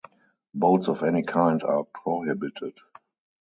Boats of any kind are prohibited.